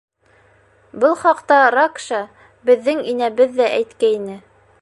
Был хаҡта Ракша — беҙҙең инәбеҙ ҙә әйткәйне.